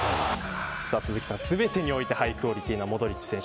鈴木さん、全てにおいてハイクオリティーなモドリッチ選手。